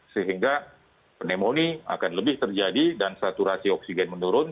sehingga pneumonia akan lebih terjadi dan saturasi oksigen menurun